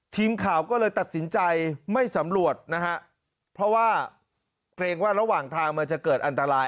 ทีมข่าวก็เลยตัดสินใจไม่สำรวจนะฮะเพราะว่าเกรงว่าระหว่างทางมันจะเกิดอันตราย